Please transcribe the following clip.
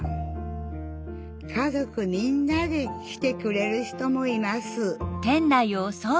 家族みんなで来てくれる人もいます